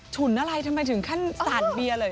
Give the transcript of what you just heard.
ฉุนอะไรทำไมถึงขั้นสาดเบียร์เลย